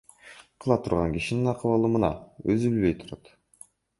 Кыла турган кишинин акыбалы мына, өзү билбей отурат.